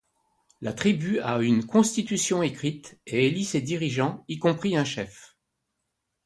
La tribu a une constitution écrite et élit ses dirigeants, y compris un chef.